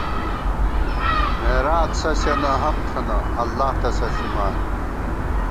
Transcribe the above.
مېراث سَسِیَنہ حق تھنہ، اللہ تسہ ݪِمان